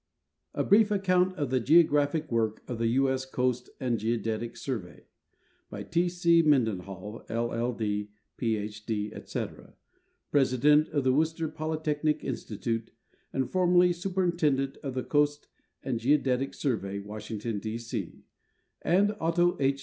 A BRIEF ACCOUNT OF THE GEOGRAPHIC WORK OF THE U. S. COAST AND GEODETIC SURVEY* By T. C. MendeiXHAll, LL. D., Ph. D., etc., President of the Worcester Polytechnic Institute;, and formerly Superintendent of the Coast and Geodetic Surcey, Washington, D. C, ■ AND Otto H.